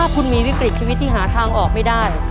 คุณมีวิกฤตชีวิตที่หาทางออกไม่ได้